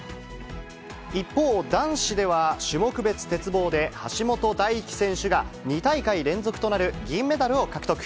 一方、男子では種目別鉄棒で橋本大輝選手が、２大会連続となる銀メダルを獲得。